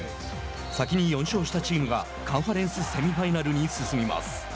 先に４勝したチームがカンファレンスセミファイナルに進みます。